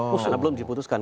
karena belum diputuskan